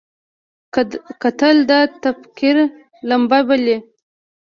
کتل د تفکر لمبه بلي